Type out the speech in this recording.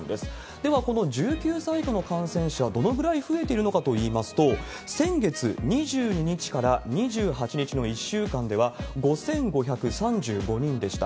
では、この１９歳以下の感染者、どのぐらい増えているのかといいますと、先月２２日から２８日の１週間では、５５３５人でした。